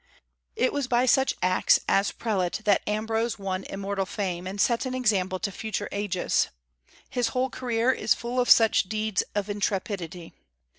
It was by such acts, as prelate, that Ambrose won immortal fame, and set an example to future ages. His whole career is full of such deeds of intrepidity.